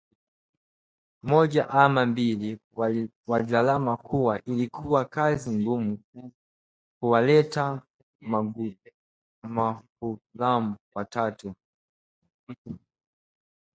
moja ama mbili! Walilalama kuwa ilikuwa kazi ngumu kuwalea maghulamu watatu